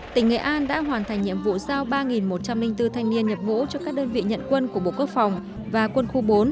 tỉnh nghệ an đã hoàn thành nhiệm vụ giao ba một trăm linh bốn thanh niên nhập ngũ cho các đơn vị nhận quân của bộ quốc phòng và quân khu bốn